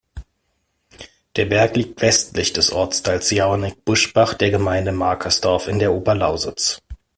Der Berg liegt westlich des Ortsteils Jauernick-Buschbach der Gemeinde Markersdorf in der Oberlausitz.